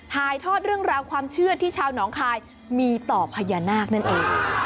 ถ่ายทอดเรื่องราวความเชื่อที่ชาวหนองคายมีต่อพญานาคนั่นเอง